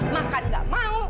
makan gak mau